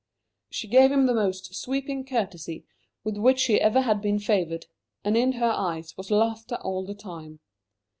She gave him the most sweeping curtsey with which he ever had been favoured and in her eyes was laughter all the time.